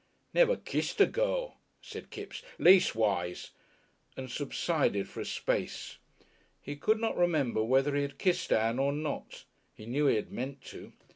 "Never kissed a girl," said Kipps; "leastwise " and subsided for a space. He could not remember whether he had kissed Ann or not he knew he had meant to.